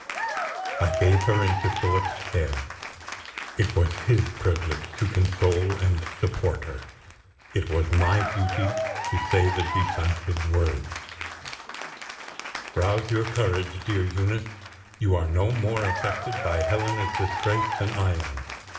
I gave her into Philip's care. It was his privilege to console and support her. It was my duty to say the decisive words: "Rouse your courage, dear Eunice; you are no more affected by Helena's disgrace than I am.